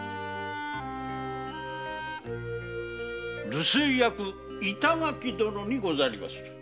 留守居役の板垣殿でござります。